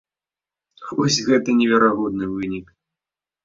Вось гэта неверагодны вынік!